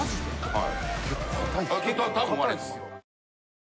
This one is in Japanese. はい。